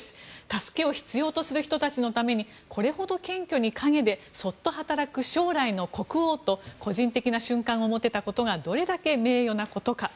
助けを必要とする人たちのためにこれほど謙虚に陰でそっと働く将来の国王と個人的な瞬間を持てたことがどれだけ名誉なことか。